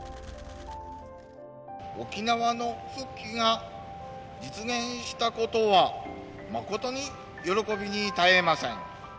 沖縄の復帰が実現したことは、誠に喜びにたえません。